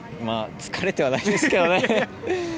疲れてはないんですけどね。